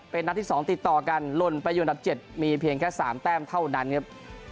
เป็นนัดที่๒ติดต่อกันลนไปอยู่อันดับ๗มีเพียงแค่๓แต้มเท่านั้นครับ